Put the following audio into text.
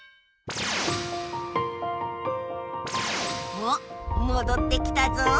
おっもどってきたぞ。